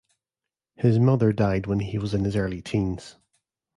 His mother died when he was in his early teens.